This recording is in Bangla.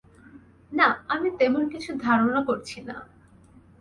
না, আমি তেমন কিছু ধারণা করছি না।